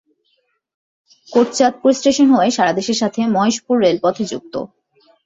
Kotchandpur station হয়ে সারাদেশের সাথে মহেশপুর রেল পথে যুক্ত।